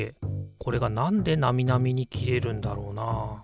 これが何でナミナミに切れるんだろうなあ？